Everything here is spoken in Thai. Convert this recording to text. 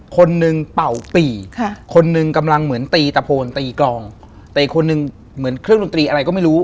คนหนึ่งเป่าปี่ค่ะคนหนึ่งกำลังเหมือนตีตะโพนตีกรองแต่อีกคนนึงเหมือนเครื่องดนตรีอะไรก็ไม่รู้